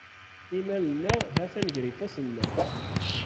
Imal-nneɣ ha-t-a ger ifassen-nneɣ.